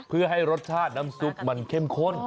เพื่อให้รสชาติน้ำซุปมันเข้มข้น